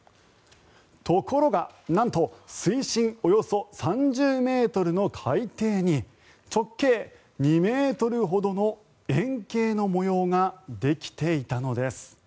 ところがなんと水深およそ３０ｍの海底に直径２ｍほどの円形の模様ができていたのです。